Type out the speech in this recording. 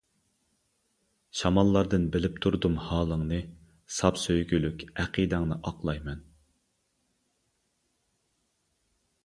شاماللاردىن بىلىپ تۇردۇم ھالىڭنى، ساپ سۆيگۈلۈك ئەقىدەڭنى ئاقلايمەن.